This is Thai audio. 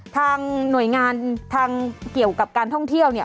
ทางหน่วยงานทางเกี่ยวกับการท่องเที่ยวเนี่ย